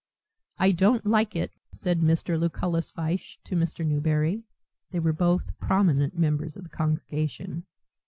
"I don't like it," said Mr. Lucullus Fyshe to Mr. Newberry (they were both prominent members of the congregation).